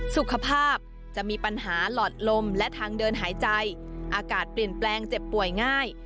สุขภาพจะมีปัญหาหลอดลมและทางเดินหายใจอากาศเปลี่ยนแปลงเจ็บป่วยง่าย